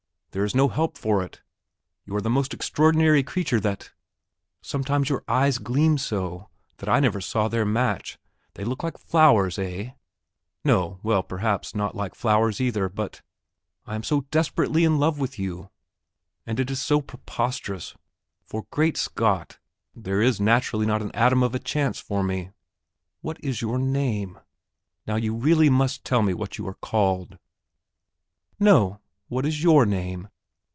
There is no help for it.... You are the most extraordinary creature that ... sometimes your eyes gleam so, that I never saw their match; they look like flowers ... eh? No, well, no, perhaps, not like flowers, either, but ... I am so desperately in love with you, and it is so preposterous ... for, great Scott! there is naturally not an atom of a chance for me.... What is your name? Now, you really must tell me what you are called." "No; what is your name?